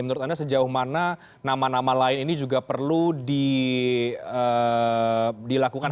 menurut anda sejauh mana nama nama lain ini juga perlu dilakukan